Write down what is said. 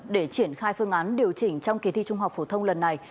để triển khai phương án điều chỉnh trong kỳ thi trung học phổ thông lần này